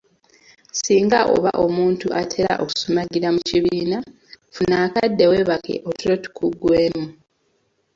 Singa oba muntu atera okusumagira mu kibiina, funa akadde weebake otulo tukuggweemu.